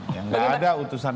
yang nggak ada utusan